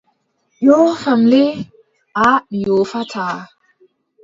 Yoofam le aaʼa mi yoofataaa.